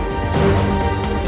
biar aku saja